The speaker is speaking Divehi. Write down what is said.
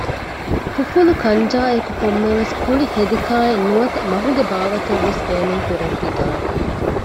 ފުފުލު ކަންޖާއެކު ކޮންމެވެސް ކުޅި ހެދިކާއެއް ނުވަތަ މަހުގެ ބާވަތެއްވެސް ބޭނުން ކުރެއްވި ދާނެ